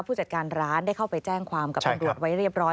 ผู้จัดการร้านได้เข้าไปแจ้งความกับตำรวจไว้เรียบร้อย